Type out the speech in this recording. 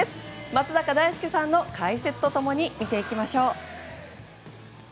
松坂大輔さんの解説と共に見ていきましょう。